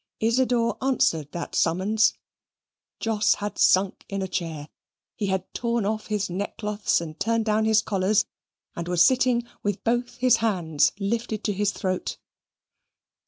Isidor answered that summons. Jos had sunk in a chair he had torn off his neckcloths, and turned down his collars, and was sitting with both his hands lifted to his throat.